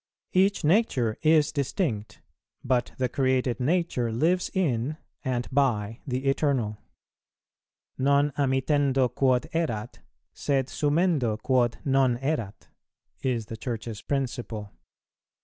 Each Nature is distinct, but the created Nature lives in and by the Eternal. "Non amittendo quod erat, sed sumendo quod non erat," is the Church's principle.